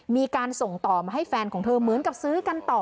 มีการส่งต่อมาให้แฟนของเธอเหมือนกับซื้อกันต่อ